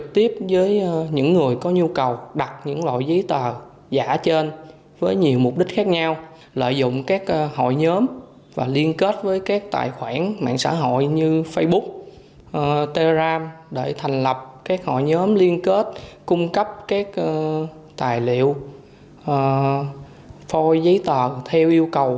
tài liệu phôi giấy tờ theo yêu cầu